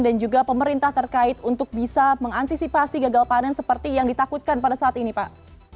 dan juga pemerintah terkait untuk bisa mengantisipasi gagal panen seperti yang ditakutkan pada saat ini pak